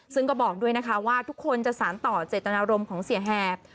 ซึ่งก็บอกด้วยนะคะว่าทุกคนจะสารต่อเจตนารมณ์ของเสียแหบ